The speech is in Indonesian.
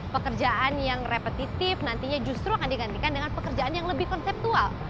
pekerjaan yang repetitif nantinya justru akan digantikan dengan pekerjaan yang lebih konseptual